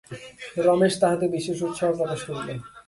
রমেশ তাহাতে বিশেষ উৎসাহ প্রকাশ করিল।